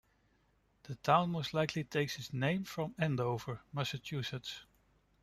The town most likely takes its name from Andover, Massachusetts.